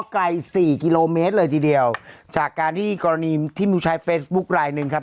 ไกลสี่กิโลเมตรเลยทีเดียวจากการที่กรณีที่มีผู้ใช้เฟซบุ๊คลายหนึ่งครับ